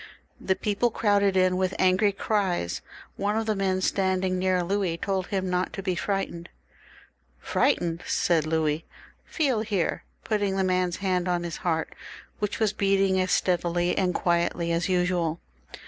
The people crowded in with angry cries. One of the men standing near Louis told him not to be frightened. " Frightened !" said Louis, "feel here!" putting the man's hand on his heart, which was beating as steadily and quietly as usual.